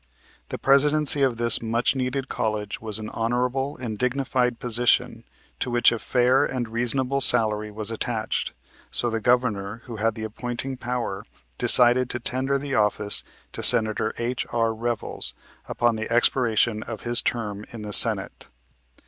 The presidency of this much needed college was an honorable and dignified position to which a fair and reasonable salary was attached, so the Governor, who had the appointing power, decided to tender the office to Senator H.R. Revels upon the expiration of his term in the Senate.